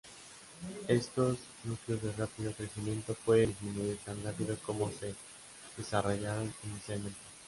Estos núcleos de rápido crecimiento pueden disminuir tan rápido como se desarrollaron inicialmente.